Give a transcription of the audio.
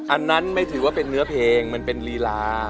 อันนั้นไม่ถือว่าเป็นเนื้อเพลงมันเป็นลีลา